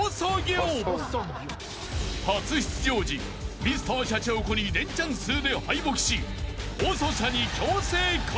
［初出場時Ｍｒ．シャチホコにレンチャン数で敗北し細シャに強制改名］